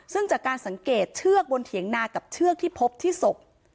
ซึ่งจากการสังเกตเชือกบนเถียงนากับเชือกที่พบที่ศพ